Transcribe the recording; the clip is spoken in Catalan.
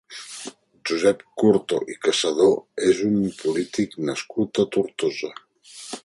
Josep Curto i Casadó és un polític nascut a Tortosa.